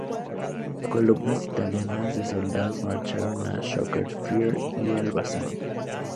Columnas italianas de soldados marcharon a Shkodër, Fier y Elbasan.